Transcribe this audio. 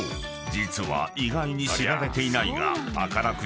実は意外に知られていないが］